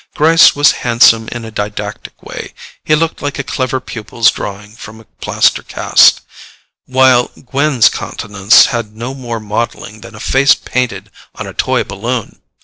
Gryce was handsome in a didactic way—he looked like a clever pupil's drawing from a plaster cast—while Gwen's countenance had no more modelling than a face painted on a toy balloon.